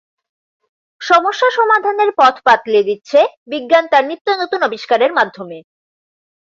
সমস্যা সমাধানের পথ বাতলে দিচ্ছে বিজ্ঞান তার নিত্যনতুন আবিষ্কারের মাধ্যমে।